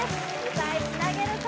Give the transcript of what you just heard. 歌いつなげるか？